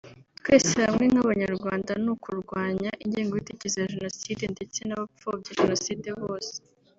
“Twese hamwe nk’Abanyarwanda ni ukurwanya ingengabitekerezo ya Jenoside ndetse n’abapfobya Jenoside bose